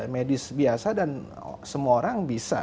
medis biasa dan semua orang bisa